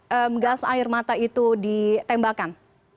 di mana gas air mata itu ditembakkan